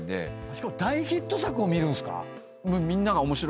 しかも大ヒット作を見るんですか？